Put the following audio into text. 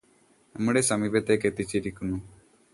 നമ്മുടെ സമീപത്തേക്ക് എത്തിച്ചിരിക്കുന്നു